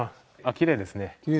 きれいですね。